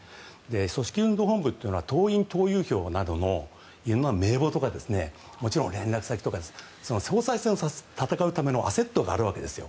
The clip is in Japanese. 組織運動本部というのは党員党友票とかの名簿とかもちろん連絡先とか総裁選を戦うためのアセットがあるわけですよ。